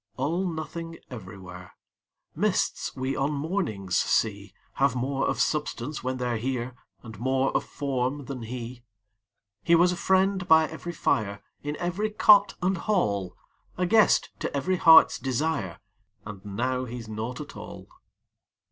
All nothing everywhere: Mists we on mornings see Have more of substance when they're here And more of form than he. He was a friend by every fire, In every cot and hall A guest to every heart's desire, And now he's nought at all.